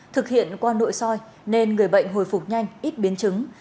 thực hiện qua nội soi nên người bệnh hồi phục nhanh ít biến chứng